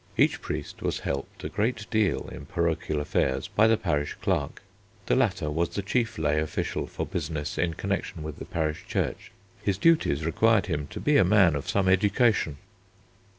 Each priest was helped a great deal in parochial affairs by the parish clerk. The latter was the chief lay official for business in connection with the parish church. His duties required him to be a man of some education.